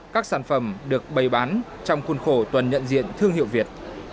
các sản phẩm được bày bán trong khuôn khổ tuần nhận diện thương hiệu việt